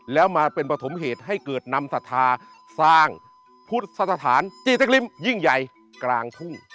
แล้วมาเป็นปฐมเหตุให้เกิดนำศรัทธาสร้างพุทธสถานจีติ๊กริมยิ่งใหญ่กลางทุ่ง